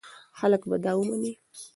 خلک به دا ومني.